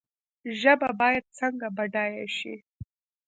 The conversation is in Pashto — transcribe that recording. ژبه باید څنګه بډایه شي؟